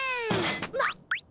なっ！